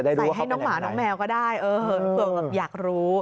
ให้น้องหมาน้องแมวก็ได้เผื่อแบบอยากรู้